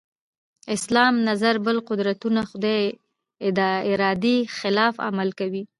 اسلام نظر بل قدرتونه خدای ارادې خلاف عمل کوي.